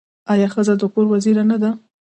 آیا ښځه د کور وزیره نه ده؟